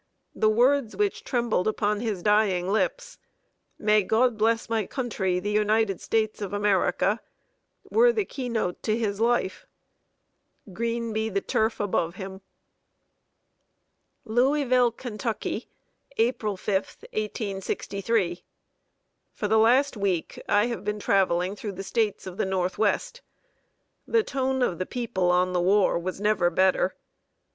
The words which trembled upon his dying lips "May God bless my country, the United States of America" were the key note to his life. Green be the turf above him! [Sidenote: Traveling Through the Northwest.] LOUISVILLE, KENTUCKY, April 5, 1863. For the last week I have been traveling through the States of the Northwest. The tone of the people on the war was never better.